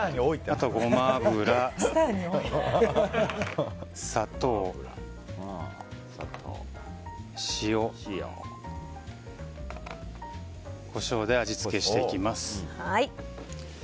あとゴマ油、砂糖、塩コショウで味付けしていきます。